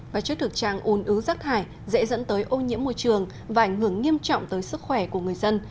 và trước thực trạng ồn ứ rác thải dễ dẫn tới ô nhiễm môi trường và ảnh hưởng nghiêm trọng tới sức khỏe của người dân